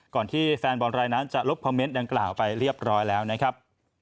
ก่อนที่แฟนบอลรายนั้นจะลบคอมเมนต์ดังกล่าวไปเรียบร้อยแล้วนะครับ